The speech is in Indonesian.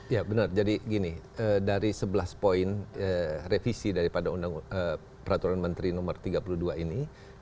ya benar jadi gini dari sebelas poin revisi daripada peraturan menteri no tiga puluh dua ini